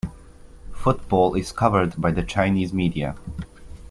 Football is covered by the Chinese media.